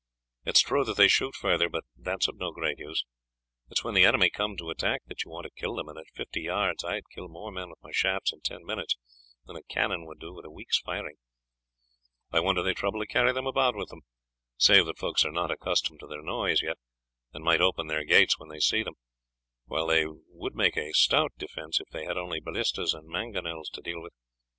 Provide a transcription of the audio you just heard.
It is true that they shoot further, but that is of no great use. It is when the enemy come to attack that you want to kill them, and at fifty yards I would kill more men with my shafts in ten minutes than a cannon would do with a week's firing. I wonder they trouble to carry them about with them, save that folks are not accustomed to their noise yet, and might open their gates when they see them, while they would make a stout defence if they had only ballistas and mangonels to deal with.